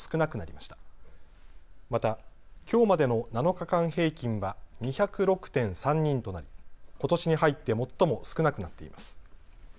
また、きょうまでの７日間平均は２０６．３人となりことしに入って最も少なくなっています。